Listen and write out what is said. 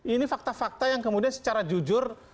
ini fakta fakta yang kemudian secara jujur